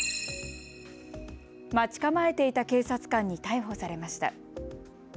待ち構えていた警察官に逮捕されました。